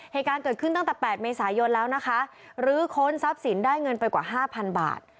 เหตุการณ์เกิดขึ้นตั้งแต่๘เมษายนแล้วนะคะลื้อค้นทรัพย์สินได้เงินไปกว่าห้าพันบาท